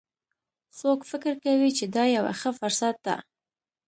څوک فکر کوي چې دا یوه ښه فرصت ده